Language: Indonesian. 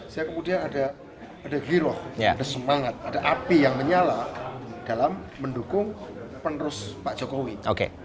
saya kemudian ada giroh ada semangat ada api yang menyala dalam mendukung penerus pak jokowi